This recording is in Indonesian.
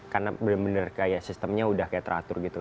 jadi aku udah kayak sistemnya udah kayak teratur gitu